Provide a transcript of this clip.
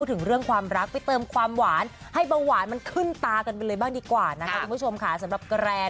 ถึงเรื่องความรักไปเติมความหวานให้เบาหวานมันขึ้นตากันไปเลยบ้างดีกว่านะคะคุณผู้ชมค่ะสำหรับแกรน